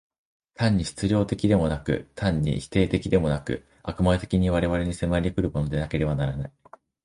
単に質料的でもなく、単に否定的でもなく、悪魔的に我々に迫り来るものでなければならない。